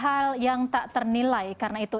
hal yang tak ternilai karena itu